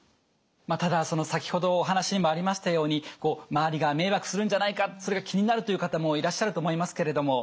ただ先ほどお話にもありましたようにこう周りが迷惑するんじゃないかそれが気になるという方もいらっしゃると思いますけれども。